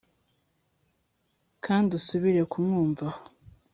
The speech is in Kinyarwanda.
kandi usubire kumwumva aho,